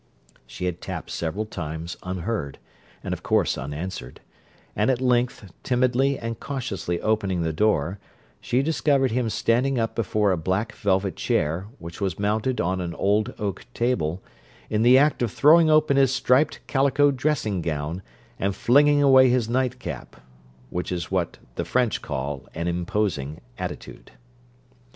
She had tapped several times unheard, and of course unanswered; and at length, timidly and cautiously opening the door, she discovered him standing up before a black velvet chair, which was mounted on an old oak table, in the act of throwing open his striped calico dressing gown, and flinging away his nightcap which is what the French call an imposing attitude.